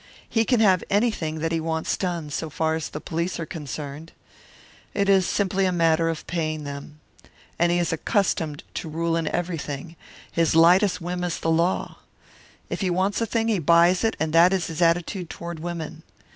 He can have anything that he wants done, so far as the police are concerned. It is simply a matter of paying them. And he is accustomed to rule in everything; his lightest whim is law. If he wants a thing, he buys it, and that is his attitude toward women.